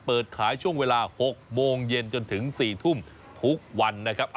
เปิดขายช่วงเวลา๖โมงเย็นจนถึง๔ทุ่มทุกวันนะครับ